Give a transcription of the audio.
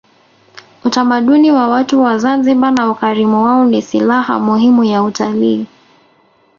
utamaduni wa watu wa zanzibar na ukarimu wao ni silaha muhimu ya utalii